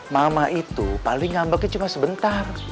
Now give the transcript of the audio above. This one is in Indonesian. mama itu paling ngambeknya cuma sebentar